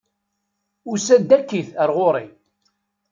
Usan-d akkit ar ɣur-i!